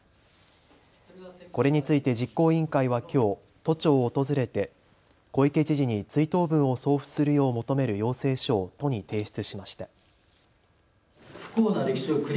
これについて実行委員会はきょう都庁を訪れて小池知事に追悼文を送付するよう求める要請書を都に提出しました。